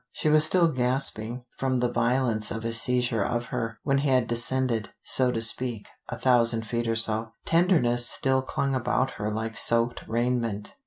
She was still gasping from the violence of his seizure of her, when he had descended, so to speak, a thousand feet or so. Tenderness still clung about her like soaked raiment.